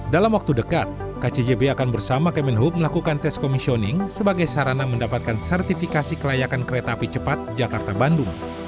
dalam waktu dekat kcjb akan bersama kemenhub melakukan tes komisioning sebagai sarana mendapatkan sertifikasi kelayakan kereta api cepat jakarta bandung